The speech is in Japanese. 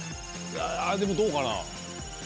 ああでもどうかな。